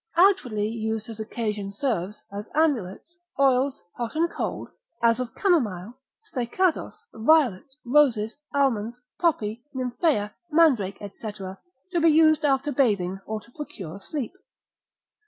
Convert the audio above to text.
Outwardly used as occasion serves, as amulets, oils hot and cold, as of camomile, staechados, violets, roses, almonds, poppy, nymphea, mandrake, &c. to be used after bathing, or to procure sleep.